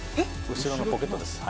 後ろのポケットです。